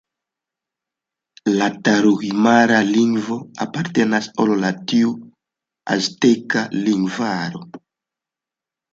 La tarahumara-lingvo apartenas al la jut-azteka lingvaro.